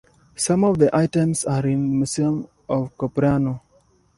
Some of the items are in the museum of Ceprano.